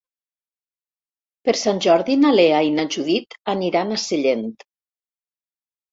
Per Sant Jordi na Lea i na Judit aniran a Sellent.